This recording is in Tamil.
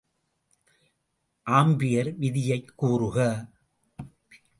ஆம்பியர் விதியைக் கூறுக.